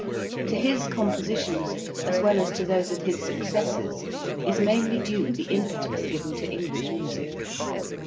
5 Introduction. To his compositions as well as to those of his successors is mainly due the impetus given to English music.